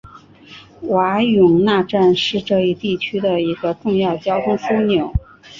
瓦永纳站是这一地区的一个重要交通枢纽。